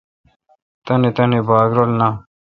تنی تانی باگ نان اؘ۔